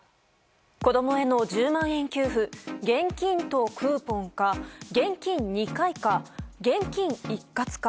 子供への１０万円給付現金とクーポンか、現金２回か現金一括か。